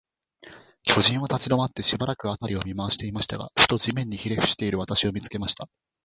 巨人は立ちどまって、しばらく、あたりを見まわしていましたが、ふと、地面にひれふしている私を、見つけました。